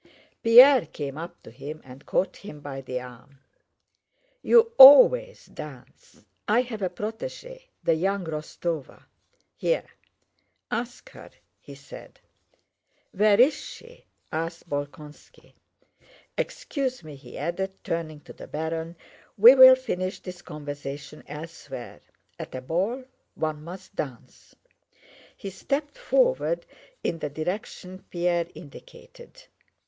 Pierre came up to him and caught him by the arm. "You always dance. I have a protégée, the young Rostóva, here. Ask her," he said. "Where is she?" asked Bolkónski. "Excuse me!" he added, turning to the baron, "we will finish this conversation elsewhere—at a ball one must dance." He stepped forward in the direction Pierre indicated.